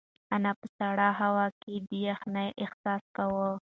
انا په سړه هوا کې د یخنۍ احساس کاوه.